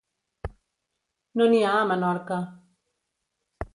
No n'hi ha a Menorca.